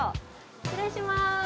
失礼します。